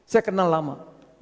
saya kenal lama